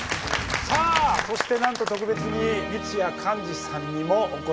さあそしてなんと特別に三津谷寛治さんにもお越しいただきました。